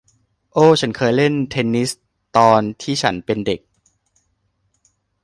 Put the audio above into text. โอ้ ฉันเคยเล่นเทนนิสตอนที่ฉันเป็นเด็ก